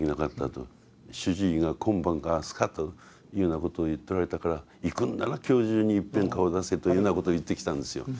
主治医が今晩か明日かというようなことを言っておられたから行くんなら今日中にいっぺん顔を出せということを言ってきたんですよ。